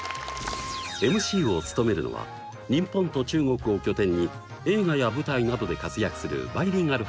ＭＣを務めるのは日本と中国を拠点に映画や舞台などで活躍するバイリンガル